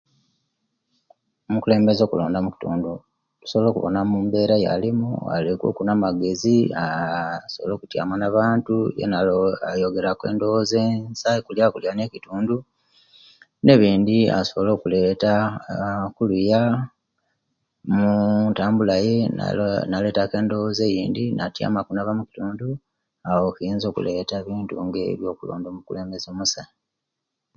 Omukulembeze okulonda omukindu tusobola okuwona embeera eyalimu alikuku na'magezi aaah asobola okutyama na'bantu yena ayogera ku endoboza ensa ekulakulanya ekitundu nebindi asobola okuleta aah okulya omuntambula ye naletaku endoboza eyindi natyama ku omukintu awo kiyinza okuleta ebintu nga ebyo okulonda omukulembeze omusa